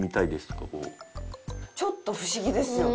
ちょっと不思議ですよね。